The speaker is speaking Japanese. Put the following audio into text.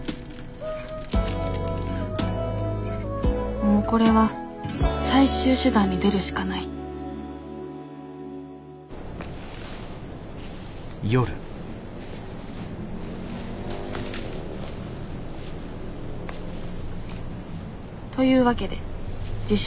もうこれは最終手段に出るしかないというわけで自称